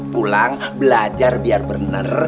pulang belajar biar benar